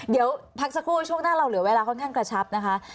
เดี๋ยวพักสักครู่ช่วงหน้าเราเหลือเวลาค่อนข้างกระชับนะคะ